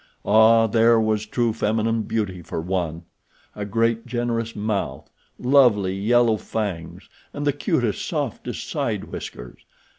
Ah, there was true feminine beauty for one!—a great, generous mouth; lovely, yellow fangs, and the cutest, softest side whiskers!